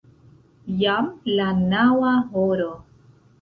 Jam la naŭa horo!